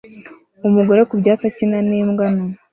Umugore ku byatsi akina n'imbwa nto